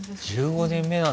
１５年目。